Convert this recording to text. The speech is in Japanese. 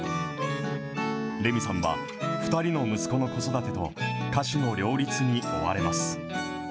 レミさんは、２人の息子の子育てと、歌手の両立に追われます。